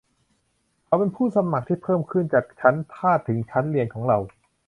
เขาเป็นผู้สมัครที่เพิ่มขึ้นจากชั้นทาสถึงชั้นเรียนของเรา